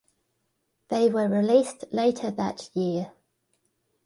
They were released later that year.